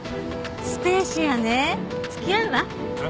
スペーシアね付き合うわ。